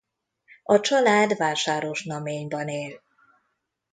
A család Vásárosnaményban él.